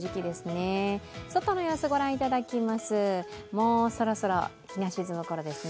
外の様子、ご覧いただきます。